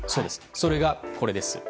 それが、これです。